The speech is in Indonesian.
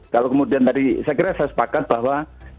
saya kira saya sepakat bahwa